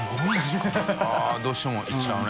◆舛どうしてもいっちゃうね。